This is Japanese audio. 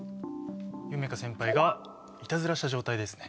夢叶先輩がいたずらした状態ですね。